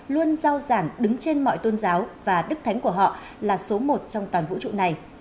luôn giao giảng đứng trên mọi tôn giáo và đức thánh của họ là số một trong toàn vũ trụ này